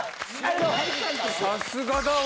さすがだわ。